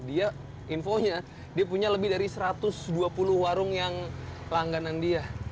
dia infonya dia punya lebih dari satu ratus dua puluh warung yang langganan dia